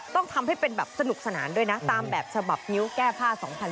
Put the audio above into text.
ตามแบบฉบับงิ้วแก้ผ้า๒๐๑๘